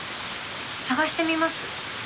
捜してみます。